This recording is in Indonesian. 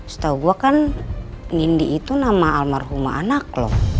setau gue kan nindy itu nama almarhumah anak lo